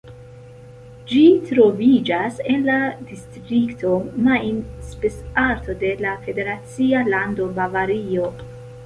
Ĝi troviĝas en la distrikto Main-Spessart de la federacia lando Bavario.